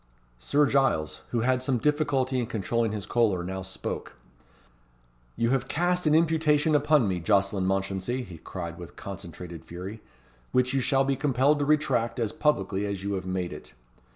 Sir Giles, who had some difficulty in controlling his choler, now spoke: "You have cast an imputation upon me, Jocelyn Mounchensey," he cried with concentrated fury, "which you shall be compelled to retract as publicly as you have made it.